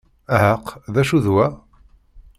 Ɛaq, D acu d wa?